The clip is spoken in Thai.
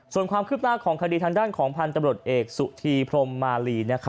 ส่วนความคืบหน้าของคดีทางด้านของพันธุ์ตำรวจเอกสุธีพรมมาลี